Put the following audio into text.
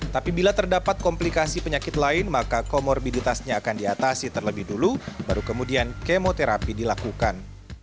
tapi bila terdapat komplikasi penyakit lain maka komorbiditasnya akan diatasi terlebih dulu baru kemudian kemoterapi dilakukan